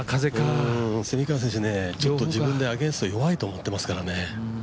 蝉川選手、ちょっと自分でアゲンスト弱いと思ってますからね。